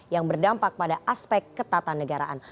yang berdampak pada aspek ketatanegaraan